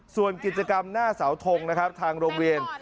ส่วนกิจกรรมหน้าเสาทงนะครับทางโรงเรียน